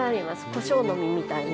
コショウの実みたいに。